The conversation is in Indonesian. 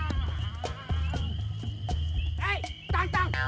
aku juga nggak tau